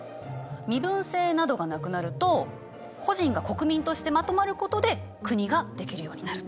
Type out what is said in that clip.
身分制などがなくなると個人が国民としてまとまることで国ができるようになる。